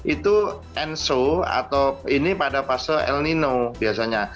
itu enso atau ini pada fase el nino biasanya